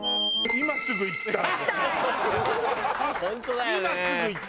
今すぐ行きたいもう。